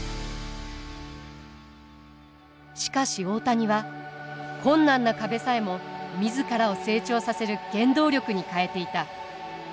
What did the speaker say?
しかし大谷は困難な壁さえも自らを成長させる原動力に変えていた。